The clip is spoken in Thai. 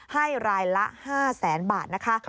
ให้รายละ๕แสนบาท